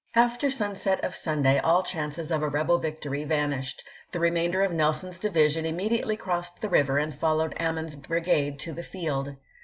After sunset of Sunday all chances of a rebel victory vanished. The remainder of Nelson's divi sion immediately crossed the river and followed Ammen's brigade to the field.